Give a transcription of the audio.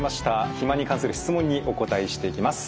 肥満に関する質問にお答えしていきます。